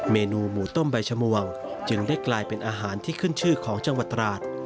เมนูหมูต้มใบชมวงจึงได้กลายเป็นอาหารที่ขึ้นชื่อของจังหวัดตราด